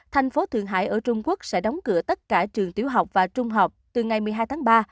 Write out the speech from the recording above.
thành phố thượng hải ở trung quốc sẽ đóng cửa tất cả trường tiểu học và trung học từ ngày một mươi hai tháng ba